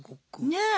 ねえ！